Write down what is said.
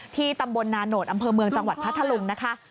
ตำบลนาโนธอำเภอเมืองจังหวัดพัทธลุงนะคะ